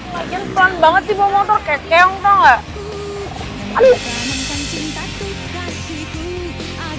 lagian pelan banget sih bawa motor kekeong tau ga